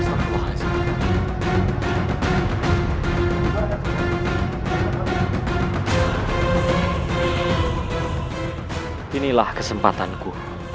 kau tidak bisa melakukan semacam itu